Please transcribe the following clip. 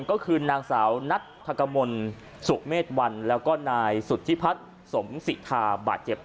ก็คือนางสาวนัทธกมลสุเมษวันแล้วก็นายสุธิพัฒน์สมสิทาบาดเจ็บ